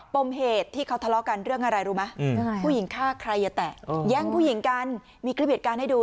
มเหตุที่เขาทะเลาะกันเรื่องอะไรรู้ไหมผู้หญิงฆ่าใครอย่าแตะแย่งผู้หญิงกันมีคลิปเหตุการณ์ให้ดู